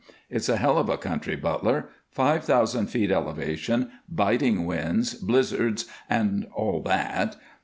It's a hell of a country, Butler; five thousand feet elevation, biting winds, blizzards, and all that.